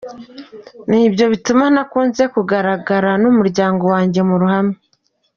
Nibyo bituma ntakunze kugaragara n’umuryango wanjye mu ruhame”.